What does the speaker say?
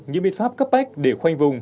những biện pháp cấp bách để khoanh vùng